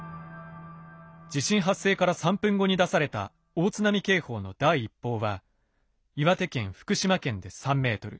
地震発生から３分後に出された大津波警報の第一報は岩手県福島県で３ｍ。